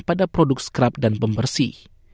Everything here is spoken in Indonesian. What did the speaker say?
pada produk produk yang diperlukan